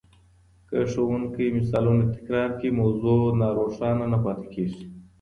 که ښوونکی مثالونه تکرار کړي، موضوع نا روښانه نه پاته کېږي.